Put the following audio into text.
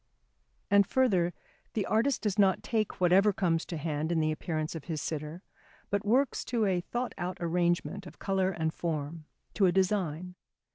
And further, the artist does not take whatever comes to hand in the appearance of his sitter, but works to a thought out arrangement of colour and form, to a design.